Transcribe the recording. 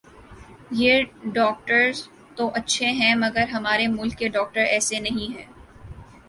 یہ ڈاکٹرز تو اچھے ھیں مگر ھمارے ملک کے ڈاکٹر ایسے نہیں ھیں